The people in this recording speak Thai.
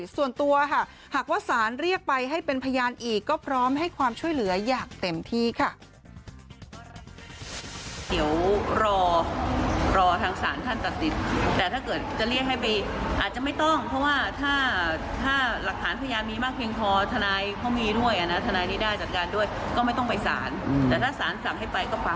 ส่วนตัวค่ะหากว่าสารเรียกไปให้เป็นพยานอีกก็พร้อมให้ความช่วยเหลืออย่างเต็มที่ค่ะ